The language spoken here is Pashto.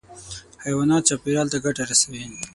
حیوانات چاپېریال ته ګټه رسوي.